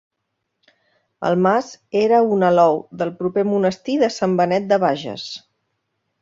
El mas era un alou del proper monestir de Sant Benet de Bages.